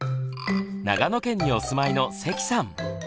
長野県にお住まいの関さん。